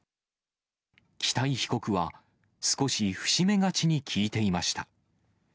北井被告は少し伏し目がちに聞いていました。